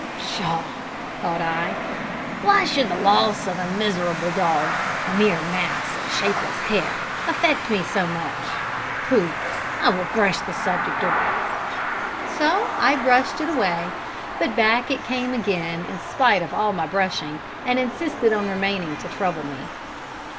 "Pshaw!" thought I, "why should the loss of a miserable dog a mere mass of shapeless hair affect me so much? Pooh! I will brush the subject away." So I brushed it away, but back it came again in spite of all my brushing, and insisted on remaining to trouble me.